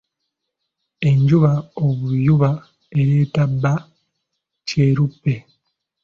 Enjuba obuyuba ereeta ba kyeruppe.